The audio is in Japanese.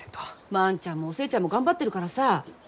万ちゃんもお寿恵ちゃんも頑張ってるからさ。